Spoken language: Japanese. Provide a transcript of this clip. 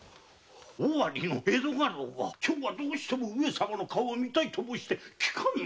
尾張の江戸家老が「今日はどうしても上様のお顔を見たい」と申してきかぬ。